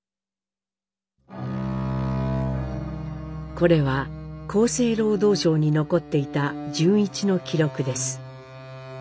これは厚生労働省に残っていた潤一の記録です。